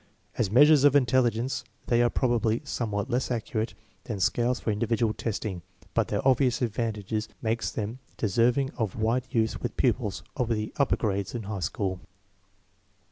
As measures of intelli gence they are probably somewhat less accurate than scales for individual testing, but their obvious advan tages make them deserving of wide use with pupils of the upper grades and high school.